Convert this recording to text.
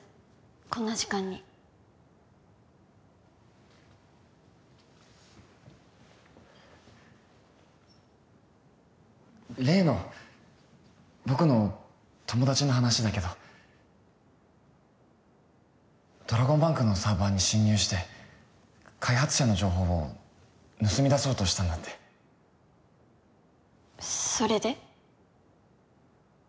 こんな時間に例の僕の友達の話だけどドラゴンバンクのサーバーに侵入して開発者の情報を盗み出そうとしたんだってそれで？